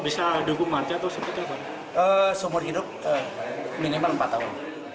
semur hidup minimal empat tahun